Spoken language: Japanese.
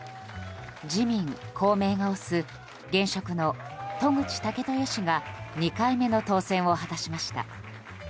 自民・公明が推す現職の渡具知武豊氏が２回目の当選を果たしました。